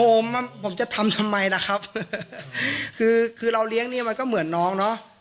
แบบเตะต่อยไม่มีผมจะทำทำไมนะครับคือคือเราเลี้ยงเนี้ยมันก็เหมือนน้องเนอะ